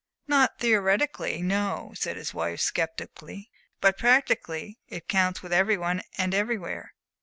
"Not theoretically, no," said his wife, sceptically. "But practically it counts with every one and everywhere.